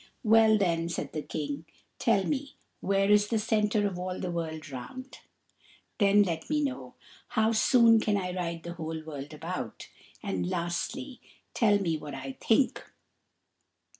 "Well, then," said the King, "tell me where is the centre of all the world round; then let me know how soon can I ride the whole world about; and, lastly, tell me what I think."